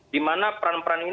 di mana peran peran ini